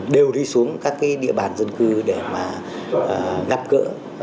đều đi xuống các cái địa bàn dân cư để mà gặp gỡ